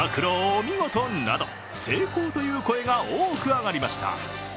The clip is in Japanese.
お見事など成功という声が多く上がりました。